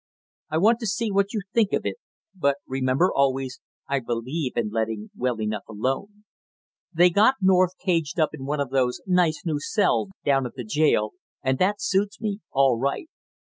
"I want to see what you think of it but remember always, I believe in letting well enough alone! They got North caged in one of those nice new cells down at the jail and that suits me all right!